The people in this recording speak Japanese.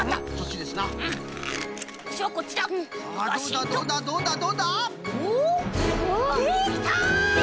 できた！